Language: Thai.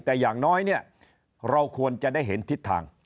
แต่อย่างน้อยเนี่ยเราควรจะได้เห็นทิศทาง